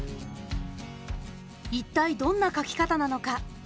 一体どんな描き方なのか。